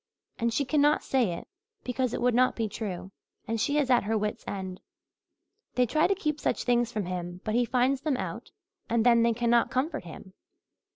And she cannot say it because it would not be true, and she is at her wits' end. They try to keep such things from him but he finds them out and then they cannot comfort him.